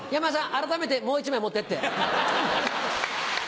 改めてもう１枚持ってって。